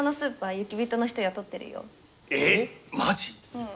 うん。